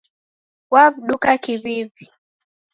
Waw'uduka kiw'iw'i